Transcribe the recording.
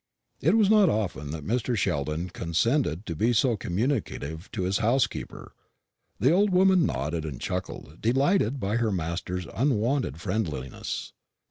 It was not often that Mr. Sheldon condescended to be so communicative to his housekeeper. The old woman nodded and chuckled, delighted by her master's unwonted friendliness.